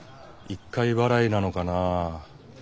１回払いなのかなあ？